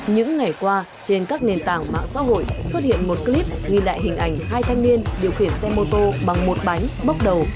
những ngày qua trên các nền tảng mạng xã hội xuất hiện một clip ghi lại hình ảnh hai thanh niên điều khiển xe mô tô bằng một bánh bốc đầu